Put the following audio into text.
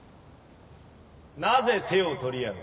なぜ手を取り合う？